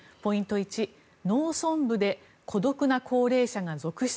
１農村部で孤独な高齢者が続出。